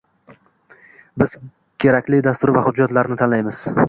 Biz kerakli dastur va hujjatlarni tanlaymiz